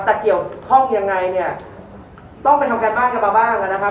แต่เกี่ยวข้องยังไงเนี่ยต้องไปทำการบ้านกันมาบ้างนะครับ